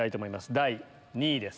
第２位です。